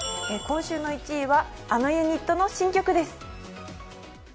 今週の１位は、あのユニットの新曲です。